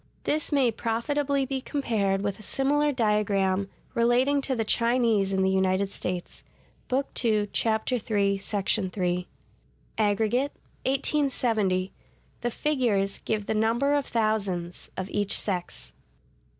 This may profitably be compared with a similar diagram relating to the Chinese in the United States (Book II, Chap. III, § 3). Aggregate: 1870. The figures give the number of thousands of each sex.